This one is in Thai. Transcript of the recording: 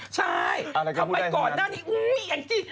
ใช่ขับไปก่อนหน้านี่อัทยิ